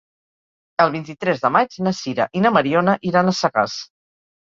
El vint-i-tres de maig na Sira i na Mariona iran a Sagàs.